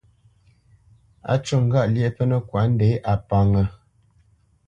Á ncú ŋgâʼ lyéʼ pə́nə́kwa ndě, a pánŋə́.